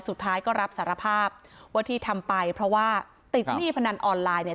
สุดท้ายก็รับสารภาพว่าที่ทำไปเพราะว่าติดหนี้พนันออนไลน์เนี่ย